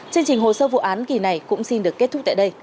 chương trình hồ sơ vụ án kỳ này cũng xin được kết thúc tại đây